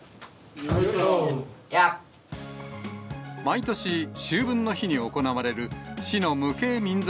毎年、秋分の日に行われる市の無形民俗